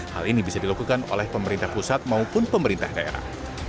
hal ini bisa dilakukan oleh pemerintah pusat maupun pemerintah daerah